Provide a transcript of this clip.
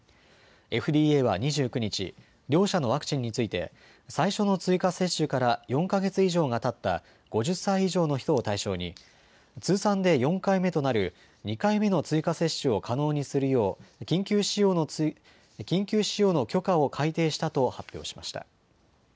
ＦＤＡは２９日、両社のワクチンについて最初の追加接種から４か月以上がたった５０歳以上の人を対象に通算で４回目となる２回目の追加接種を可能にするよう緊急使用の許可を改定したと発表しました。